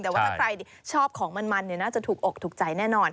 แต่ว่าถ้าใครชอบของมันน่าจะถูกอกถูกใจแน่นอน